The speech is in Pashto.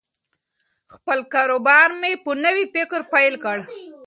خپل کاروبار مې په نوي فکر پیل کړ.